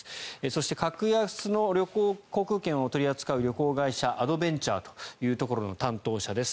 そして格安の航空券を取り扱う会社アドベンチャーというところの担当者です。